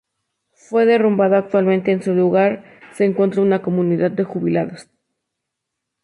Fue derrumbado y actualmente en su lugar se encuentra una comunidad de jubilados.